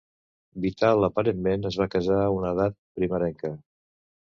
Vital aparentment es va casar a una edat primerenca.